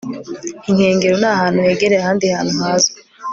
inkengero ni ahantu hegereye ahandi hantu hazwi